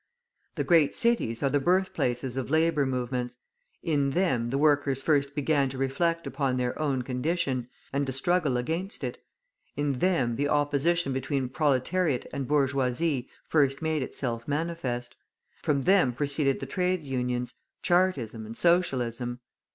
The great cities are the birthplaces of labour movements; in them the workers first began to reflect upon their own condition, and to struggle against it; in them the opposition between proletariat and bourgeoisie first made itself manifest; from them proceeded the Trades Unions, Chartism, and Socialism.